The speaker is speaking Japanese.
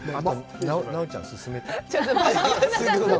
奈緒ちゃん、進めて？